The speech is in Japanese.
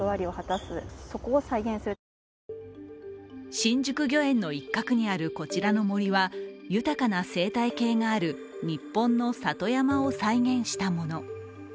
新宿御苑の一角にあるこちらの森は、豊かな生態系がある日本の里山を再現したもの。